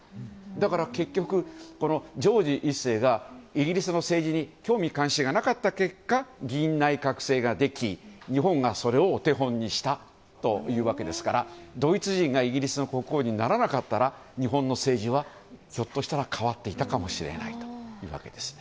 だから結局、ジョージ１世がイギリスの政治に興味・関心がなかった結果議院内閣制ができ日本がそれをお手本にしたというわけですからドイツ人がイギリスの国王にならなかったらかけるだけでテイスティなサラダに。